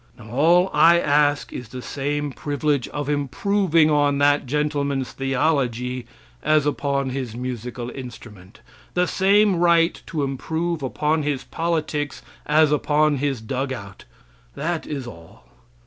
Now all I ask is the same privilege of improving on that gentleman's theology as upon his musical instrument; the same right to improve upon his politics as upon his dug out. That is all.